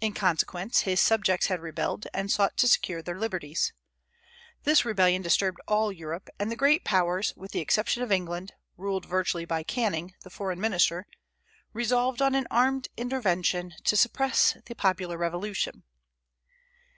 In consequence, his subjects had rebelled, and sought to secure their liberties. This rebellion disturbed all Europe, and the great Powers, with the exception of England, ruled virtually by Canning, the foreign minister, resolved on an armed intervention to suppress the popular revolution.